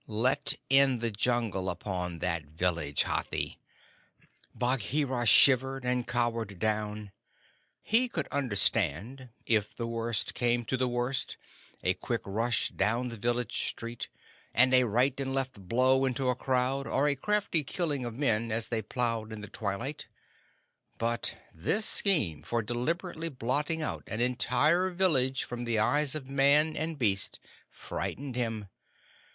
Let in the Jungle upon that village, Hathi!" Bagheera shivered, and cowered down. He could understand, if the worst came to the worst, a quick rush down the village street, and a right and left blow into a crowd, or a crafty killing of men as they plowed in the twilight, but this scheme for deliberately blotting out an entire village from the eyes of man and beast frightened him.